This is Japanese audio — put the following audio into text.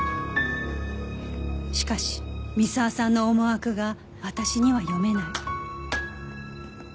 しかし三沢さんの思惑が私には読めない